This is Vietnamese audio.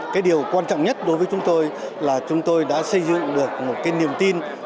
cái điều quan trọng nhất đối với chúng tôi là chúng tôi đã xây dựng được một cái niềm tin